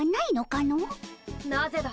・なぜだ！